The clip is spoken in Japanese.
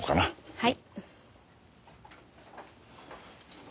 はい？